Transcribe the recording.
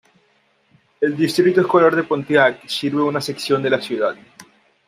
El Distrito Escolar de Pontiac sirve una sección de la ciudad.